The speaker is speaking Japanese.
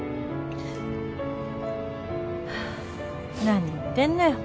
何言ってんのよ。